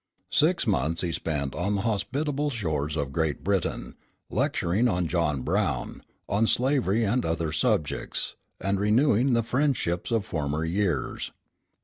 Six months he spent on the hospitable shores of Great Britain, lecturing on John Brown, on slavery and other subjects, and renewing the friendships of former years.